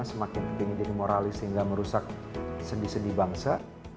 semakin ingin jadi moralis sehingga merusak sendi sendi bangsa